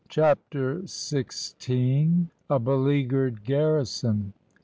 CHAPTER SIXTEEN. A BELEAGUERED GARRISON.